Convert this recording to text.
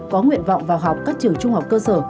có nguyện vọng vào học các trường trung học cơ sở